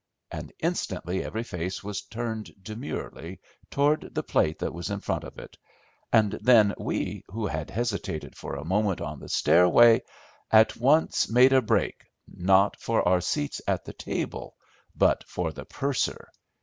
and instantly every face was turned demurely toward the plate that was in front of it, and then we, who had hesitated for a moment on the stairway, at once made a break, not for our seats at the table, but for the purser.